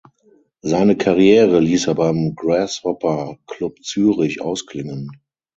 Seine Karriere liess er beim Grasshopper Club Zürich ausklingen.